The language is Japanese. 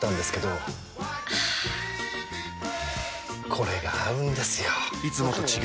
これが合うんですよ！